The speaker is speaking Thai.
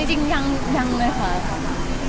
อ่อนจริงยังไม่ครับ